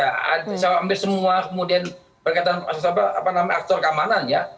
ya saya ambil semua kemudian perkataan apa nama aktor keamanan ya